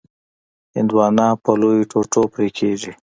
هندوانه په لویو ټوټو پرې کېږي.